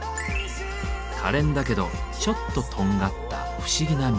かれんだけどちょっととんがった不思議な魅力。